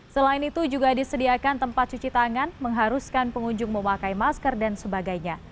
selain itu juga disediakan tempat cuci tangan mengharuskan pengunjung memakai masker dan sebagainya